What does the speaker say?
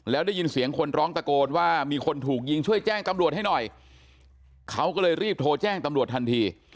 แล้วได้ยินเสียงคนร้องตะโกนว่ามีคนถูกยิงช่วยแจ้งตำรวจให้หน่อยเขาก็เลยรีบโทรแจ้งตำรวจทันที